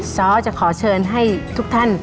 ซ้อจะขอเชิญให้ทุกท่าน